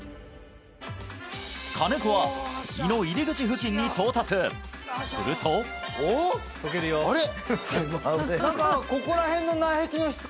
金子は胃の入り口付近に到達するとあれ？